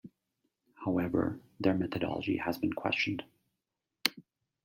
However, their methodology has been questioned.